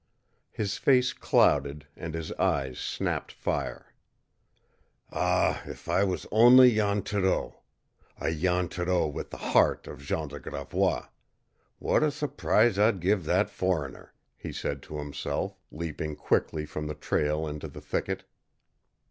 His face clouded, and his eyes snapped fire. "Ah, if I was only Jan Thoreau a Jan Thoreau with the heart of Jean de Gravois what a surprise I'd give that foreigner!" he said to himself, leaping quickly from the trail into the thicket.